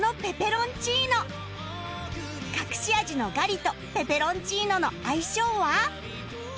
隠し味のガリとペペロンチーノの相性は？